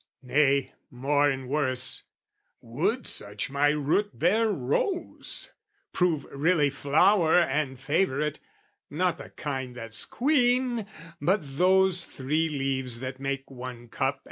Nay, more and worse, would such my root bear rose Prove really flower and favourite, not the kind That's queen, but those three leaves that make one cup.